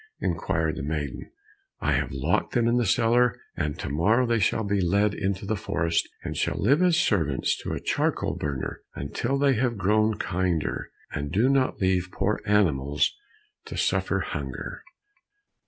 inquired the maiden. "I have locked them in the cellar, and to morrow they shall be led into the forest, and shall live as servants to a charcoal burner, until they have grown kinder, and do not leave poor animals to suffer hunger."